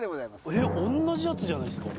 同じやつじゃないですか。